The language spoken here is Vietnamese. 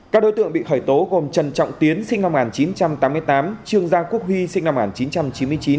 các đối tượng bị khởi tố gồm trần trọng tiến sinh năm một nghìn chín trăm tám mươi tám trương giang quốc huy sinh năm một nghìn chín trăm chín mươi chín